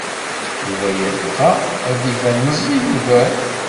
Yuba yebɣa ad d-iban meẓẓiy ugar.